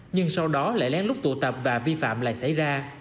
nhưng sau đó lại lén lút tụ tập và vi phạm lại xảy ra